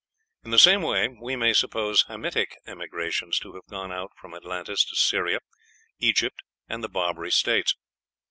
In the same way we may suppose Hamitic emigrations to have gone out from Atlantis to Syria, Egypt, and the Barbary States.